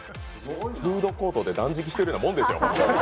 フードコートで断食しているようなもんですよ。